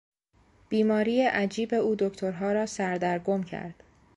بیماری عجیب او دکترها را سردرگم کرد.